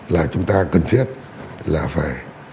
là chúng ta cần thiết là phải